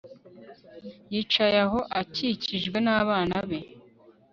Yicaye aho akikijwe nabana be